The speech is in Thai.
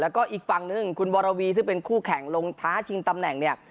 แล้วก็อีกฝั่งหนึ่งคุณวรวีซึ่งเป็นคู่แข่งลงท้าชิงตำแหน่งเนี่ย